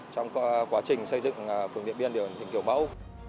trong quá trình xây dựng phường điện biên điều kiểu mẫu